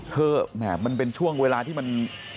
เธอมันเป็นช่วงเวลาที่มัน